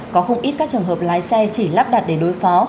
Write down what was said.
có không ít các trường hợp lái xe chỉ lắp đặt để đối phó